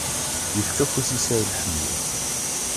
Yefka afus-is ɣer lḥenni.